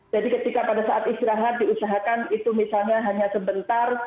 ketika pada saat istirahat diusahakan itu misalnya hanya sebentar